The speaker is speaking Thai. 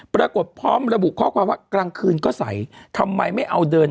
พร้อมระบุข้อความว่ากลางคืนก็ใสทำไมไม่เอาเดิน